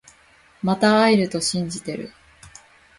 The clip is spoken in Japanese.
また会えると信じてる